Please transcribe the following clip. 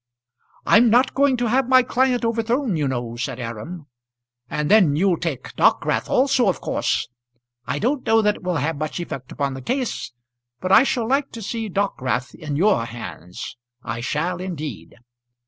"I'm not going to have my client overthrown, you know," said Aram. "And then you'll take Dockwrath also, of course. I don't know that it will have much effect upon the case, but I shall like to see Dockwrath in your hands; I shall indeed."